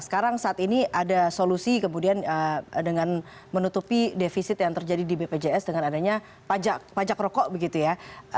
sekarang saat ini ada solusi kemudian dengan menutupi defisit yang terjadi di bpjs dengan adanya pajak rokok begitu ya